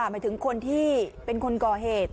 หมายถึงคนที่เป็นคนก่อเหตุ